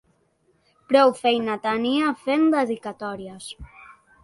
Prou feina tenia fent dedicatòries.